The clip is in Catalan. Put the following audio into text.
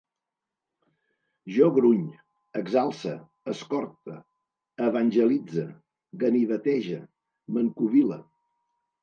Jo gruny, exalce, escorte, evangelitze, ganivetege, m'encovile